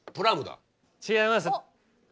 違います。